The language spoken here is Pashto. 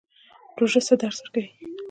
روژه څه درس ورکوي؟